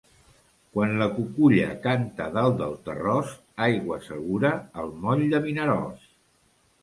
Quan la cuculla canta dalt del terròs, aigua segura al moll de Vinaròs.